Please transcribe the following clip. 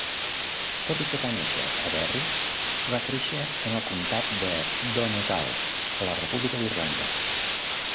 Tot i que va nàixer a Derry, va créixer en el comtat de Donegal, a la República d'Irlanda.